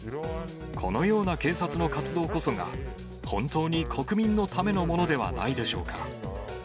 このような警察の活動こそが、本当に国民のためのものではないでしょうか。